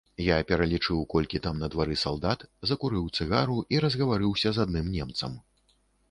Я пералічыў, колькі там на двары салдат, закурыў цыгару і разгаварыўся з адным немцам.